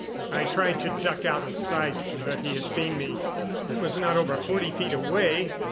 I tried to duck out of sight, but he had seen me. He was not over forty feet away.